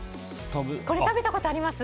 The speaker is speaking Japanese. これ食べたことあります！